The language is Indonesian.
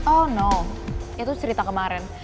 oh no itu cerita kemarin